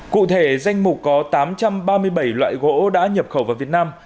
cụ thể danh mục có tám trăm ba mươi bảy loại gỗ đã nhập khẩu vào việt nam